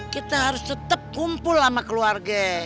kita harus tetap kumpul sama keluarga